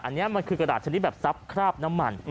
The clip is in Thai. อันนี้มันคือกระดาษชนิดแบบซับคราบน้ำมัน